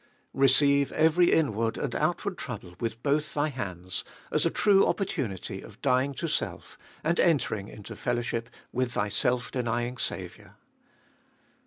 3. "Receive every inward and outward trouble with both thy hands, as a true opportunity of dying to self, and entering into fellowship with thy self denying Saviour."